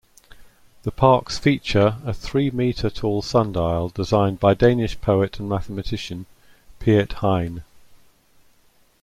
The parks feature a three-meter-tall sundial designed by Danish poet and mathematician, Piet Hein.